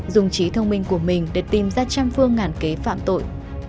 dùng trí thông minh của mình để tìm ra trăm phương ngàn kế phạm tội